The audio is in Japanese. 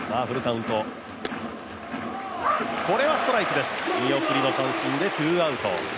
これはストライクです、見送りの三振でツーアウト。